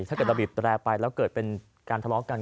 ถ้าเกิดเราบีบแตรไปแล้วเกิดเป็นการทะเลาะกัน